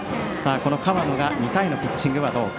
この河野が２回のピッチングはどうか。